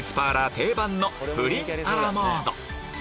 定番のプリンアラモード